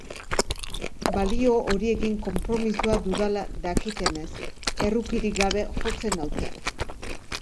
Balio horiekin konpromisoa dudala dakitenez, errukirik gabe jotzen naute.